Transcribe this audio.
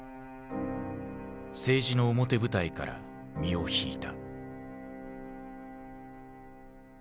政治の表舞台から身を引いた。